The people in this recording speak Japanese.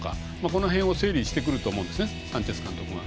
この辺を整理してくると思うんですね、サンチェス監督は。